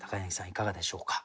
いかがでしょうか。